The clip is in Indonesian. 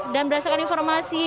dan berdasarkan informasi